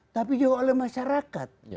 tapi juga oleh masyarakat